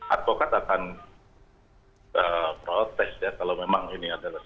advokat akan protes ya kalau memang ini adalah hal yang berguna